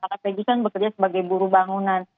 karena peggy kan bekerja sebagai buru bangunan